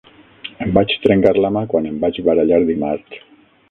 Em vaig trencar la mà quan em vaig barallar dimarts.